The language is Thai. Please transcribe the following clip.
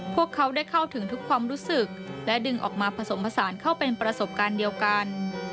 พวกเขาได้เข้าถึงทุกความรู้สึกและดึงออกมาผสมผสานเข้าเป็นประสบการณ์เดียวกัน